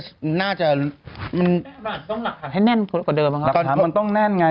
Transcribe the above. ต้องหลักฐานให้แน่นกว่านั้นปะมันต้องแน่นไง